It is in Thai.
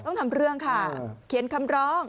ต้องทำเรื่องค่ะเขียนคำร้อง